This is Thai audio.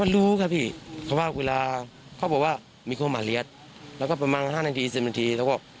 แล้วเมียบอกว่าพูดอย่างนี้ครับอยู่ในโรงงาน